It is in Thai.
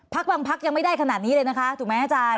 บางพักยังไม่ได้ขนาดนี้เลยนะคะถูกไหมอาจารย์